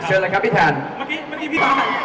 อ่ะเชิญอะไรครับพี่แทน